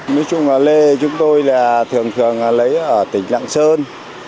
nói chung là lê chúng tôi là thường thường lấy ở tỉnh lạng sơn